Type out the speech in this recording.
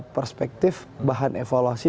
perspektif bahan evaluasi